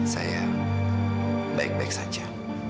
saya baik baik saja